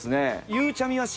ゆうちゃみ